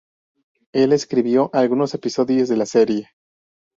Él escribió algunos episodios de la serie.